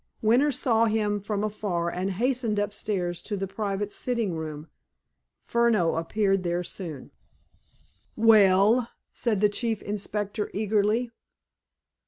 Winter saw him from afar, and hastened upstairs to the private sitting room. Furneaux appeared there soon. "Well?" said the Chief Inspector eagerly.